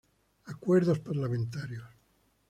Acuerdos parlamentarios.